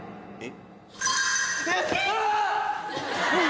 えっ！？